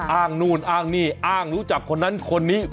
อ้างนู่นอ้างนี่อ้างรู้จักคนนั้นคนนี้